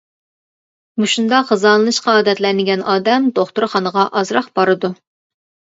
مۇشۇنداق غىزالىنىشقا ئادەتلەنگەن ئادەم دوختۇرخانىغا ئازراق بارىدۇ.